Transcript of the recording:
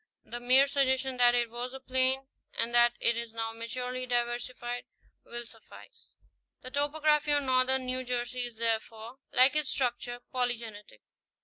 The mere suggestion that it was once a plain and that it is now maturely diversified will suffice. The topography of northern New Jersey is therefore, like its structure, polygenetic.